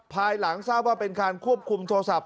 ภายหลังทราบว่าเป็นการควบคุมโทรศัพท์